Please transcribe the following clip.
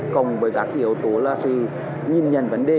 cộng với các yếu tố là sự nhìn nhận vấn đề